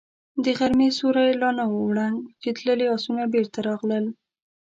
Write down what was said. د غرمې سيوری لا نه و ړنګ چې تللي آسونه بېرته راغلل.